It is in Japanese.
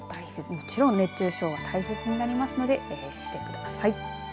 もちろん熱中症は大切になりますのでしてください。